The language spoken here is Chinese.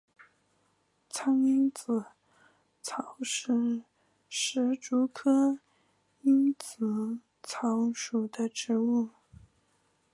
藏蝇子草是石竹科蝇子草属的植物。